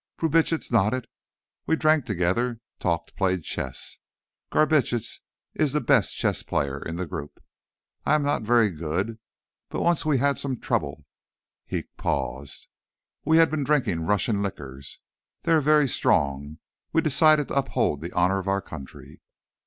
Brubitsch nodded. "We drank together, talked, played chess. Garbitsch is the best chess player in the group. I am not very good. But once we had some trouble." He paused. "We had been drinking Russian liquors. They are very strong. We decided to uphold the honor of our country."